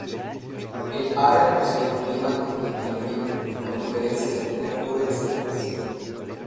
El área posee un clima continental frío, con diferencias de temperatura extremas.